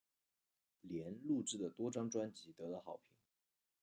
莲录制的多张专辑得到好评。